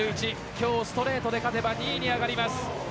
今日、ストレートで勝てば２位に上がります。